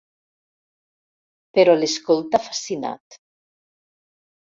Però l'escolta fascinat.